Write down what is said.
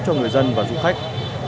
cho người dân và du khách